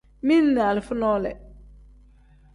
Mili ni alifa nole.